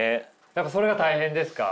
やっぱそれが大変ですか？